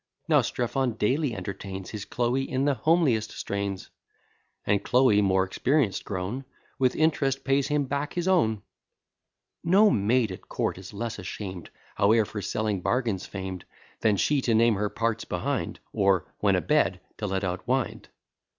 Now Strephon daily entertains His Chloe in the homeliest strains; And Chloe, more experienc'd grown, With int'rest pays him back his own. No maid at court is less asham'd, Howe'er for selling bargains fam'd, Than she to name her parts behind, Or when a bed to let out wind.